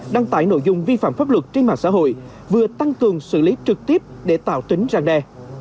đăng tải nội dung vi phạm pháp luật trên mạng xã hội vừa tăng cường xử lý trực tiếp để tạo tính răng đe